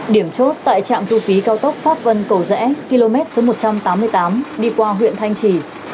điểm chốt tại trạm thu phí cao tốc pháp vân cầu rẽ km số một trăm tám mươi tám đi qua huyện thanh trì